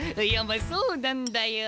まあそうなんだよ。